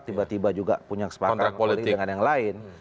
tiba tiba juga punya kesepakatan politik dengan yang lain